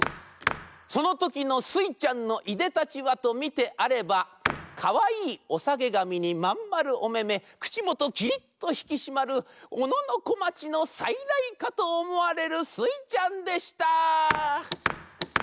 「そのときのスイちゃんのいでたちはとみてあればかわいいおさげがみにまんまるおめめくちもときりっとひきしまるおののこまちのさいらいかとおもわれるスイちゃんでした！」。